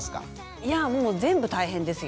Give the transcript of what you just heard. いやもう全部大変ですよ。